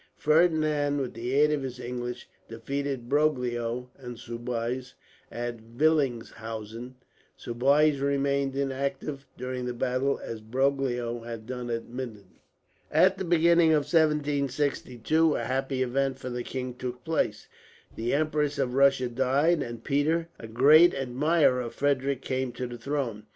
Ferdinand, with the aid of his English, defeated Broglio and Soubise at Villingshausen; Soubise remaining inactive during the battle, as Broglio had done at Minden. At the beginning of 1762 a happy event for the king took place. The Empress of Russia died; and Peter, a great admirer of Frederick, came to the throne.